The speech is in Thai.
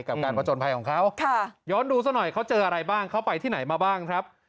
กับการผจญภัยของเขาย้อนดูซะหน่อยเขาเจออะไรบ้างเขาไปที่ไหนมาบ้างครับ